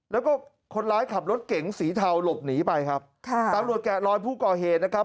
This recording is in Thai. แล้วก็คนร้ายขับรถเก๋งสีเทาหลบหนีไปครับค่ะตำรวจแกะรอยผู้ก่อเหตุนะครับ